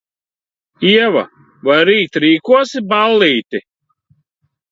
Ieva, vai rīt rīkosi ballīti?